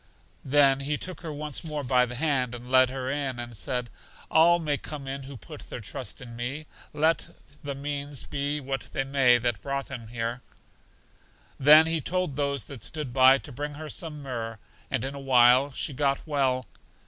Then He took her once more by the hand and led her in, and said, All may come in who put their trust in me, let the means be what they may that brought them here. Then He told those that stood by to bring her some myrrh, and in a while she got well.